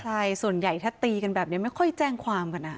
ใช่ส่วนใหญ่ถ้าตีกันแบบนี้ไม่ค่อยแจ้งความกันนะ